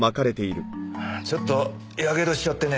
ちょっとヤケドしちゃってねぇ。